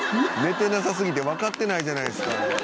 寝てなさすぎてわかってないじゃないですか。